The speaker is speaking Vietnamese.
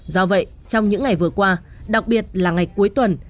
do vậy trong những ngày vừa qua đặc biệt là ngày cuối tuần